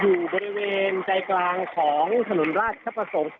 อยู่บริเวณใจกลางของถนนราชประสงค์